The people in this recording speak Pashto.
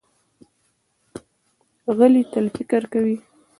غلی، تل فکر کوي.